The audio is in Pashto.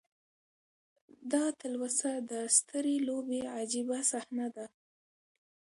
دا تلوسه د سترې لوبې عجیبه صحنه ده.